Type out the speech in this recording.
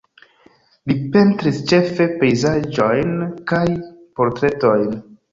Li pentris ĉefe pejzaĝojn kaj portretojn.